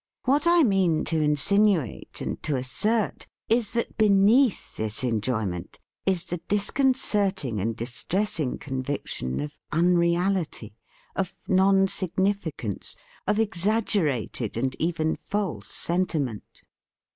What I mean to insinuate, and to as sert, is that beneath this enjoyment is the disconcerting and distressing con viction of unreality, of non significance, of exaggerated and even false senti ment.